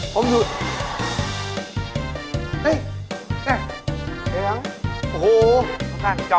เก่งมากเลยอ่ะ